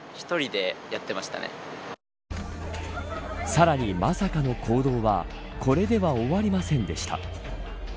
さらに、まさかの行動はこれでは終わりませんでした。